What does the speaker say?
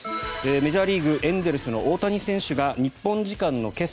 メジャーリーグエンゼルスの大谷選手が日本時間の今朝